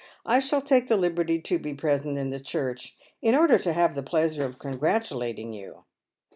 I shall take the liberty to be present in the church, in order to have tlie pleasure of congratulating you.